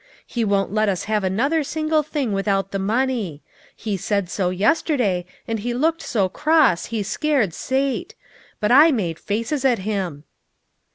He won't let us have another single thing without the money. He said so yesterday, and he looked BO cross he scared Sate ; but I made faces at him."